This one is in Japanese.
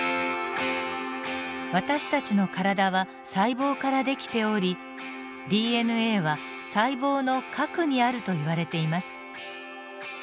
私たちの体は細胞から出来ておりＤＮＡは細胞の核にあるといわれています。